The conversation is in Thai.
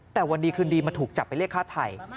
แต่วันดีคืนดีมาถูกจับไปเรียกฆ่าไทย